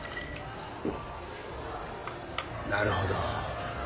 なるほど。